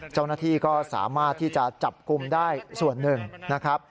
เจ้าหน้าที่ก็สามารถที่จะจับกลุ่มได้ส่วนหนึ่งนะครับ